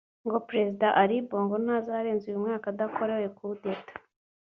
ngo Perezida Ali Bongo ntazarenza uyu mwaka adakorewe Coup d’Etat